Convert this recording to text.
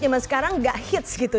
zaman sekarang gak hits gitu